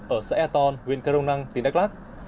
ở xã eton huyện că rông năng tỉnh đắk lắc